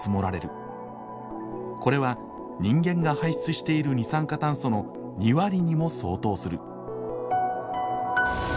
これは人間が排出している二酸化炭素の２割にも相当する。